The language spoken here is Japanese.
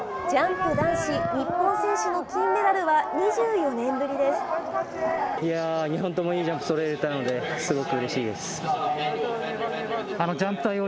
ジャンプ男子、日本選手の金メダルは２４年ぶりです。